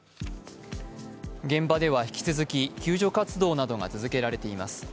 現場では引き続き救助活動などが続けられています。